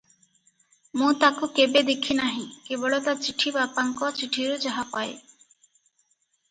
ମୁଁ ତାକୁ କେବେ ଦେଖି ନାହିଁ- କେବଳ ତା' ଚିଠି ବାପାଙ୍କ ଚିଠିରୁ ଯାହା ପାଏ ।